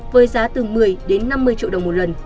với giá từ một mươi đến năm mươi triệu đồng một lần